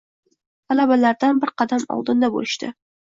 Talabalardan bir qadam oldinda boʻlishdi